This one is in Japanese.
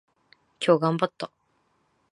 今日頑張った。